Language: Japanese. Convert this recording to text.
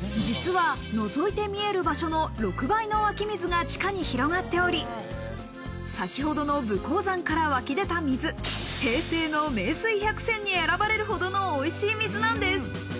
実は、のぞいて見える場所の６倍の湧き水が地下に広がっており、先ほどの武甲山から湧き出た水、平成の名水百選に選ばれるほどのおいしい水なんです。